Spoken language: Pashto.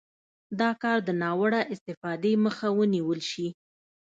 دا کار د ناوړه استفادې مخه ونیول شي.